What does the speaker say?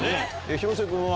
広瀬君は？